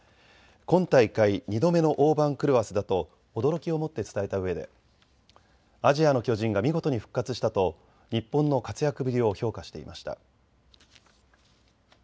今大会２度目の大番狂わせだと驚きを持って伝えたうえでアジアの巨人が見事に復活したと日本の活躍ぶりを評価していました。